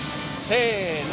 せの。